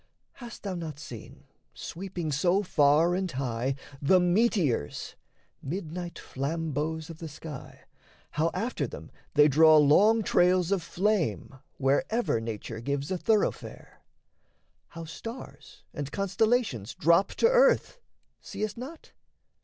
Hast thou not seen, sweeping so far and high, The meteors, midnight flambeaus of the sky, How after them they draw long trails of flame Wherever Nature gives a thoroughfare? How stars and constellations drop to earth, Seest not?